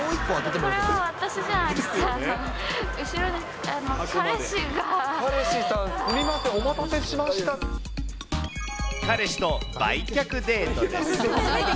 これは私じゃなくて、後ろに彼氏さん、すみません、彼氏と売却デートです。